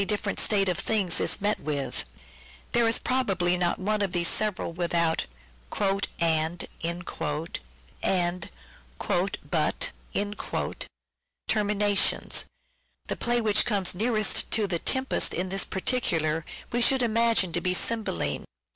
different state of things is met with. There is probably not one of these without several " and " and " but " terminations. The play which comes nearest to " The Tempest " in this particular we should imagine to be " Cymbeline."